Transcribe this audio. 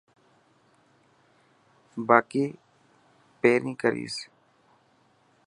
با ڪي پرين ڪريس.